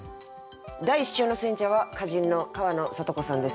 第１週の選者は歌人の川野里子さんです。